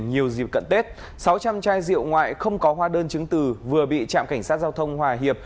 nhiều dịp cận tết sáu trăm linh chai rượu ngoại không có hóa đơn chứng từ vừa bị trạm cảnh sát giao thông hòa hiệp